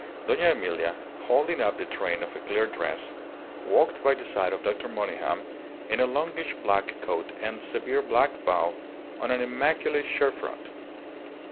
Dona Emilia, holding up the train of a clear dress, walked by the side of Dr. Monygham, in a longish black coat and severe black bow on an immaculate shirtfront.